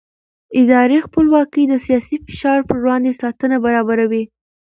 اداري خپلواکي د سیاسي فشار پر وړاندې ساتنه برابروي